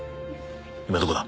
今どこだ？